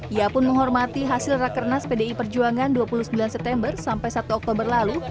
ia pun menghormati hasil rakernas pdi perjuangan dua puluh sembilan september sampai satu oktober lalu